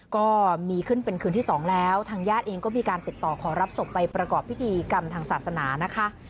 ก็มีขึ้นเป็นคืนที่สองแล้วทางญาติเองก็มีการติดต่อขอรับศพไปประกอบพิธีกรรมทางศาสนานะคะ